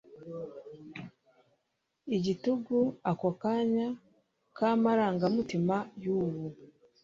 Igitugu ako kanya kamarangamutima yubu